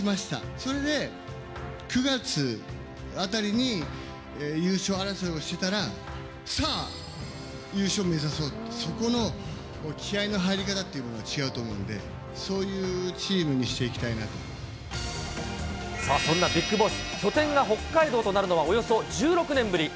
それで９月あたりに、優勝争いをしていたら、さあ、優勝目指そうと、そこの気合いの入り方っていうのが違うと思うんで、そういうチーさあそんなビッグボス、拠点が北海道となるのはおよそ１６年ぶり。